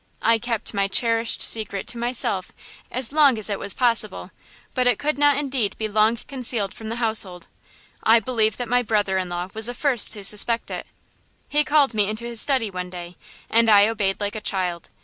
I kept my cherished secret to myself as long as it was possible, but it could not indeed be long concealed from the household. I believe that my brother in law was the first to suspect it. He called me into his study one day, and I obeyed like a child.